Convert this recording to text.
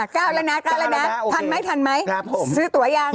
ก้าวแล้วทันไหมซื้อตั๋วยัง